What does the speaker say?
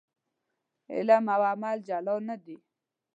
علم او عمل جلا نه دي.